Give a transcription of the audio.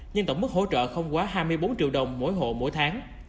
nhưng tổng mức hỗ trợ không quá hai mươi bốn triệu đồng mỗi hộ mỗi tháng